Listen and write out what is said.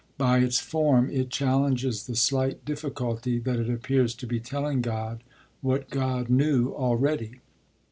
By its form it challenges the slight difficulty that it appears to be telling God what God knew already.